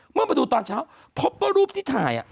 เมื่อมาดูตอนเช้าพบว่ารูปที่ถ่าย